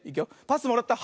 パスもらった。